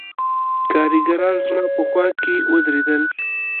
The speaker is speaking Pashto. کارګران زما په خوا کښې ودرېدل.